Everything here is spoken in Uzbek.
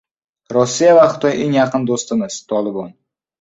Rossiya va Xitoy eng yaqin do‘stimiz — "Tolibon"